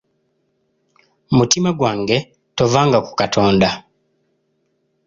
Mutima gwange tovanga ku Katonda.